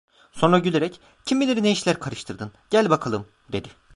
Sonra gülerek: "Kim bilir ne işler karıştırdın! Gel bakalım!" dedi.